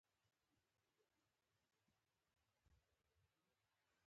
ځکه ټول د وردگو گډه لهجه کوي.